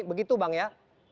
begitu bang ya